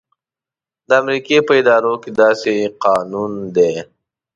د امریکې په ادارو کې داسې قانون دی.